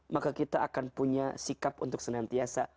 maka kita akan punya sikap untuk senantiasa